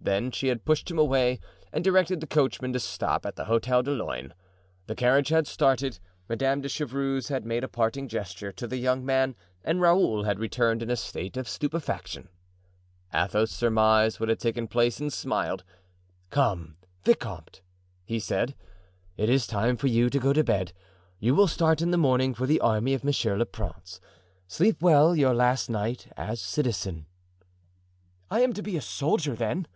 Then she had pushed him away and directed the coachman to stop at the Hotel de Luynes. The carriage had started, Madame de Chevreuse had made a parting gesture to the young man, and Raoul had returned in a state of stupefaction. Athos surmised what had taken place and smiled. "Come, vicomte," he said, "it is time for you to go to bed; you will start in the morning for the army of monsieur le prince. Sleep well your last night as citizen." "I am to be a soldier then?"